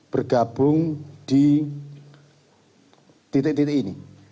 bergabung di titik titik ini